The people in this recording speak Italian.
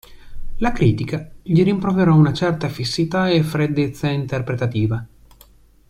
La critica gli rimproverò una certa fissità e freddezza interpretativa.